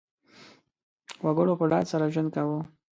وګړو په ډاډ سره ژوند کاوه.